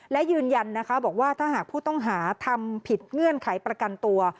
และยืนยันนะคะบอกว่าถ้าหากผู้ต้องหาทำผิดเงื่อนไขประกันตัว